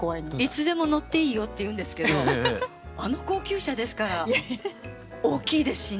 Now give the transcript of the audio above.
「いつでも乗っていいよ」って言うんですけどあの高級車ですから大きいですしね